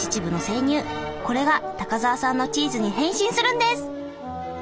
これが高沢さんのチーズに変身するんです。